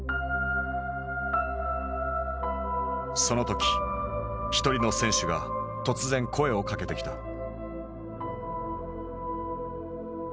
その時一人の選手が突然声をかけてきた。